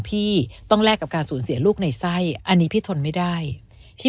พี่ต้องแลกกับการสูญเสียลูกในไส้อันนี้พี่ทนไม่ได้พี่